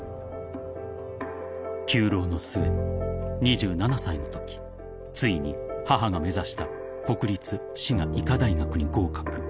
［９浪の末２７歳のときついに母が目指した国立滋賀医科大学に合格］